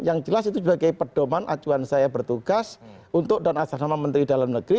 yang jelas itu sebagai pedoman acuan saya bertugas untuk dan asrama menteri dalam negeri